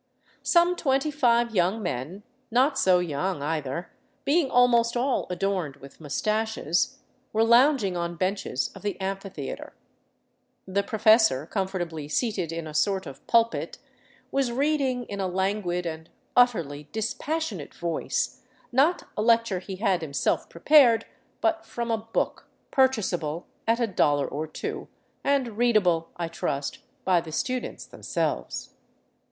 Some twenty five young men, not so young either, being almost all adorned with mustaches, were lounging on benches of the amphitheater. The professor, comfortably seated in a sort of pulpit, was reading in a languid and utterly dispassionate voice — not a lecture he had himself prepared, but from a book pur chasable at a dollar or two, and readable, I trust, by the students themselves.